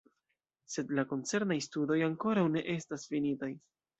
Sed la koncernaj studoj ankoraŭ ne estas finitaj.